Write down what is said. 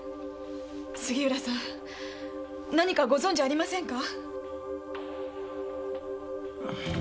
杉浦さん何かご存じありませんか？